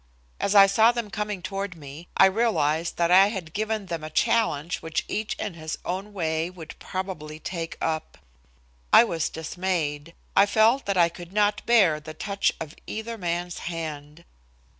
As I saw them coming toward me, I realized that I had given them a challenge which each in his own way would probably take up. I was dismayed. I felt that I could not bear the touch of either man's hand.